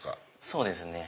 そうですね。